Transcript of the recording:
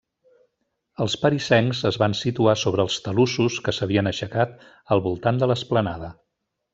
Els parisencs es van situar sobre els talussos que s'havien aixecat al voltant de l'esplanada.